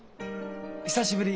久しぶり。